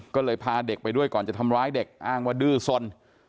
ก็เลยพาเด็กไปด้วยก่อนจะทำร้ายเด็กอ้างว่าดื้อสน